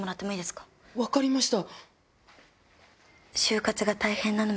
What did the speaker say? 分かりました。